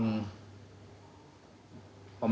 แค่ในเรา